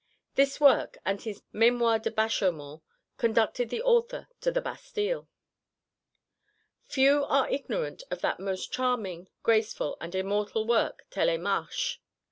This work and his Mémoires de Bachaumont conducted the author to the Bastille. Few are ignorant of that most charming, graceful, and immortal work Télémache.